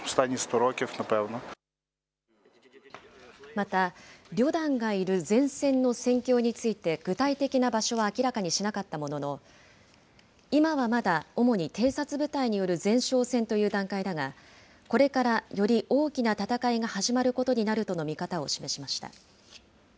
また、旅団がいる前線の戦況について具体的な場所は明らかにしなかったものの、今はまだ、主に偵察部隊による前哨戦という段階だが、これからより大きな戦いが始まることになるとの見方を示しました。